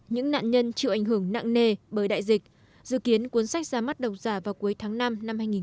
những nạn nhân chịu ảnh hưởng nặng nề bởi đại dịch dự kiến cuốn sách ra mắt độc giả vào cuối tháng năm năm hai nghìn hai mươi